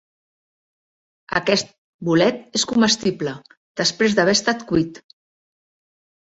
Aquest bolet és comestible després d'haver estat cuit.